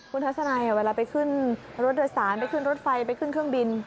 คุณทัศนัยเวลาไปขึ้นรถโดยสารไปขึ้นรถไฟไปขึ้นเครื่องบิน